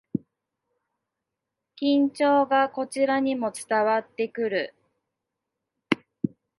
緊張がこちらにも伝わってくる